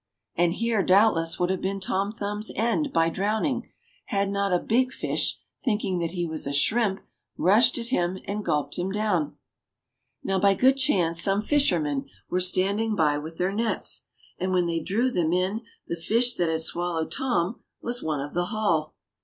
And here, doubtless, would have been Tom Thumb's end by drowning, had not a big fish, thinking that he was a shrimp, rushed at him and gulped him down ! Now by good chance some fishermen were standing by with their nets, and when they drew them in, the fish that had swallowed Tom was one of the haul.